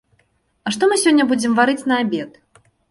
А што мы сёння будзем варыць на абед?